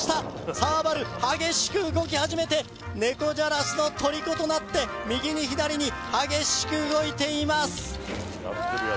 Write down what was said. サーバル激しく動き始めて猫じゃらしのとりことなって右に左に激しく動いています